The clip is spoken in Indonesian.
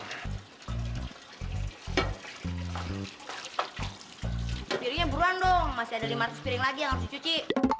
sendirinya buruan dong masih ada lima ratus piring lagi yang harus dicuci